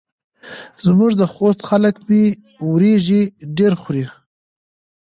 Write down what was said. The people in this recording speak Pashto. زموږ د خوست خلک مۍ وریژې ډېرې خوري.